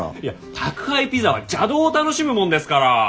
いや宅配ピザは邪道を楽しむもんですから。